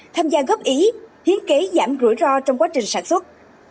tham gia góp ý hiến kế giảm rủi ro trong quá trình sản xuất